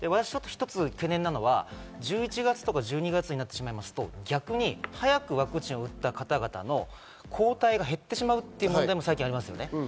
懸念は１１月とか１２月になると、逆に早くワクチンを打った方々の抗体が減ってしまうという問題もありますね。